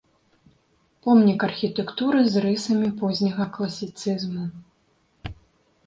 Помнік архітэктуры з рысамі позняга класіцызму.